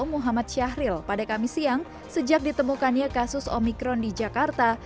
muhammad syahril pada kamis siang sejak ditemukannya kasus omikron di jakarta